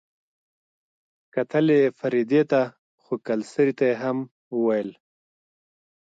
کتل يې فريدې ته خو کلسري ته يې هم وويل.